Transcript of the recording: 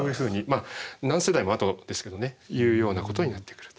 まあ何世代もあとですけどね。というようなことになってくると。